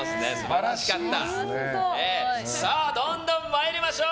どんどん参りましょう。